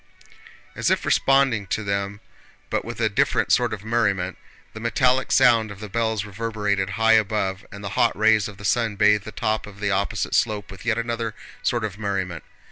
As if responding to them but with a different sort of merriment, the metallic sound of the bells reverberated high above and the hot rays of the sun bathed the top of the opposite slope with yet another sort of merriment.